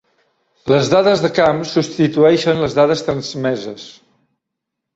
Les dades de camp substitueixen les dades transmeses.